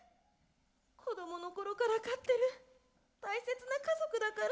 子どもの頃から飼ってる大切な家族だから。